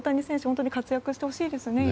本当に活躍してほしいですね。